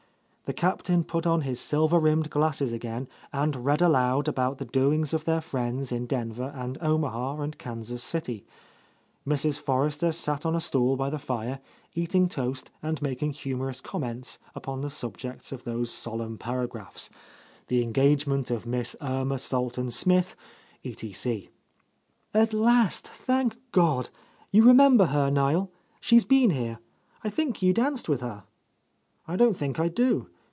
The Captain put on his silver rimmed glasses again and read aloud about the doings of their friends in Denver and Omaha and Kansas City. Mrs. Forrester sat on a stool by the fire, eating toast and making humorous comments upon the subjects of those solemn paragraphs; the engagement of Mist Erma Salton Smith, etc. "At last, thank God! You remember her, Niel. She's been here. I think you danced with her." "I don't think I do.